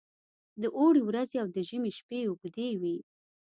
د اوړي ورځې او د ژمي شپې اوږې وي.